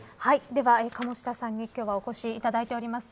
では鴨下さんに今日はお越しいただいております。